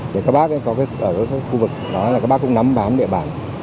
các bác ở các khu vực đó là các bác cũng nắm bám địa bàn